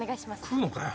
食うのかよ。